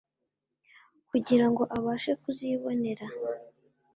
kugira ngo abashe kuzibonera